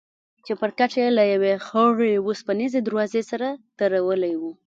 چپرکټ يې له يوې خړې وسپنيزې دروازې سره درولى و.